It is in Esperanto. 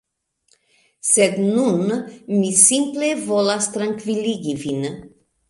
Sed nun mi simple volas trankviligi vin